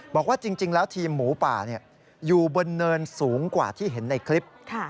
บอกว่าจริงแล้วทีมหมูป่าอยู่บนเนินสูงกว่าที่เห็นในคลิป